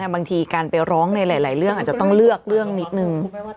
บางทีการไปร้องในหลายเรื่องอาจจะต้องเลือกเรื่องนิดนึง